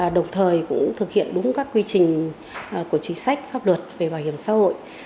đồng thời cũng thực hiện đúng các quy trình của chính sách pháp luật về bảo hiểm xã hội